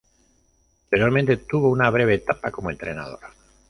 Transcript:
Posteriormente, tuvo una breve etapa como entrenador.